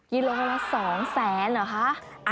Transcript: กิโลละ๒แสนเหรอคะ